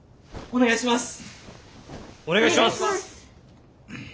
お願いします！